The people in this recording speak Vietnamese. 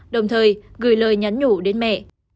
đồng thời gửi lời nhắn nhủ đến mẹ